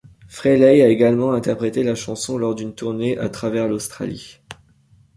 Frehley a également interprété la chanson lors d'une tournée à travers l'Australie.